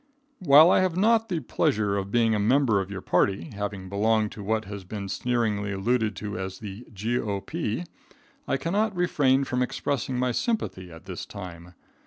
While I have not the pleasure of being a member of your party, having belonged to what has been sneeringly alluded to as the g.o.p., I cannot refrain from expressing my sympathy at this time.